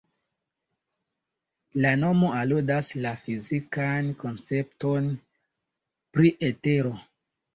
La nomo aludas la fizikan koncepton pri etero.